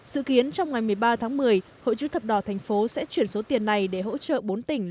dự kiến trong ngày một mươi ba tháng một mươi hội chữ thập đỏ thành phố sẽ chuyển số tiền này để hỗ trợ bốn tỉnh